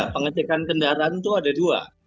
pengecekan kendaraan itu ada dua